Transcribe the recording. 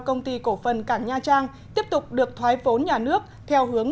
công ty cổ phần cảng nha trang tiếp tục được thoái vốn nhà nước theo hướng